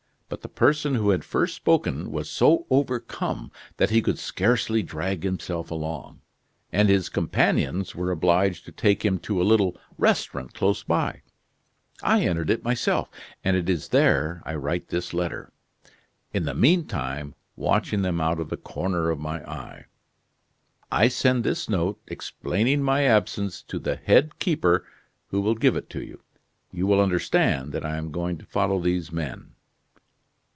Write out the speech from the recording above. But the person who had first spoken was so overcome that he could scarcely drag himself along; and his companions were obliged to take him to a little restaurant close by. I entered it myself, and it is there I write this letter, in the mean time watching them out of the corner of my eye. I send this note, explaining my absence, to the head keeper, who will give it you. You will understand that I am going to follow these men.